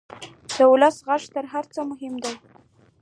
د ولس غږ تر هر څه مهم دی.